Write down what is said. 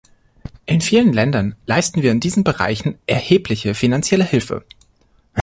In vielen Ländern leisten wir in diesen Bereichen erhebliche finanzielle Hilfe.